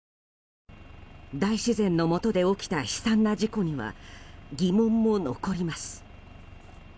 大自然のもとで起きた悲惨な事故には疑問も残ります。